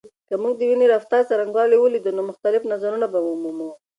که موږ د دیني رفتار څرنګوالی ولیدو، نو مختلف نظرونه به ومومو.